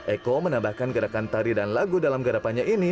echos menambahkan gerakan tari dan lagu dalam gerapannya ini